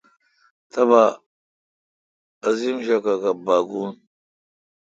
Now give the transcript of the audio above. تبہ عظیم شا کاکا باگوُن۔